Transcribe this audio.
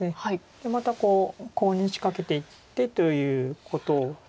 でまたコウに仕掛けていってということを。